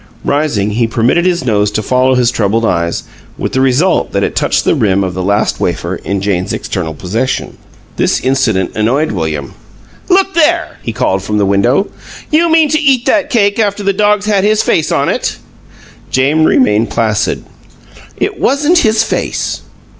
Rising, he permitted his nose to follow his troubled eyes, with the result that it touched the rim of the last wafer in Jane's external possession. This incident annoyed William. "Look there!" he called from the window. "You mean to eat that cake after the dog's had his face on it?" Jane remained placid. "It wasn't his face."